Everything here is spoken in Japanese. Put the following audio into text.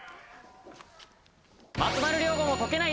松丸亮吾の解けない？